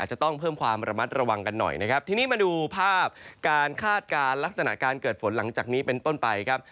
จะต้องเพิ่มความระมัดระวังกันหน่อยนะครับทีนี้มาดูภาพการคาดการณ์ลักษณะการเกิดฝนหลังจากนี้เป็นต้นไปครับ